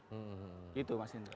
gitu mas indra